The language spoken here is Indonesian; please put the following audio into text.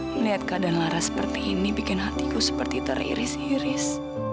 melihat keadaan lara seperti ini bikin hatiku seperti terinis inis